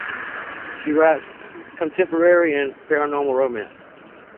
She writes contemporary and paranormal romance.